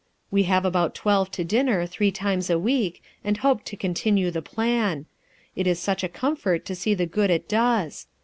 We have about twelve to dinner three times a week, and hope to continue the plan. It is such a comfort to see the good it does.